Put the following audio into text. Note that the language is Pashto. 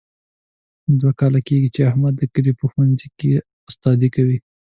دوه کاله کېږي، چې احمد د کلي په ښوونځۍ کې استادي کوي.